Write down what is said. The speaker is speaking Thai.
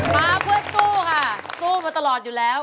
มาเพื่อสู้ค่ะสู้มาตลอดอยู่แล้ว